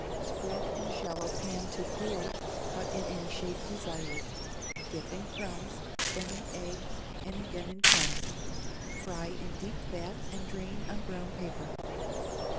Spread in a shallow pan to cool. Cut in any shape desired, dip in crumbs, then in egg, and again in crumbs; fry in deep fat and drain on brown paper.